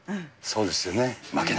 そうですよね。